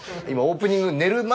今オープニング寝る